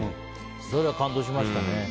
それは感動しましたね